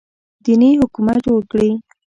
دیني حکومت جوړ کړي